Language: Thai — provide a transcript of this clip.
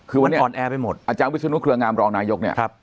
คือวันเนี้ยมันออนแอร์ไปหมดอาจารย์วิทยาลุคเรืองามรองนายกเนี่ยครับ